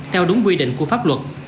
theo đúng quy định của pháp luật